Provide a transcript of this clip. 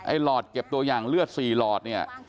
ไอ้หลอดเก็บตัวอย่างเลือด๔หลอด